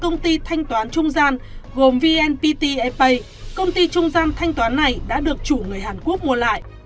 công ty thanh toán trung gian gồm vnpt epay công ty trung gian thanh toán này đã được chủ người hàn quốc mua lại